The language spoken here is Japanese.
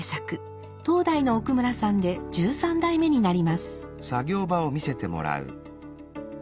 当代の奥村さんで十三代目になります。